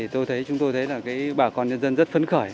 thì tôi thấy chúng tôi thấy là cái bà con nhân dân rất phấn khởi